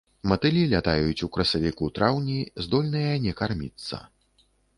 Матылі лятаюць у красавіку-траўні, здольныя не карміцца.